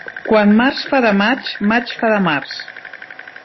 Quan març fa de maig, maig fa de març.